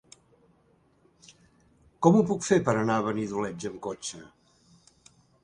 Com ho puc fer per anar a Benidoleig amb cotxe?